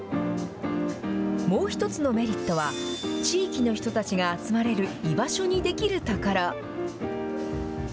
もう１つのメリットは、地域の人たちが集まれる居場所にできるところ。